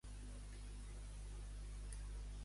A què vol posar fre Casado?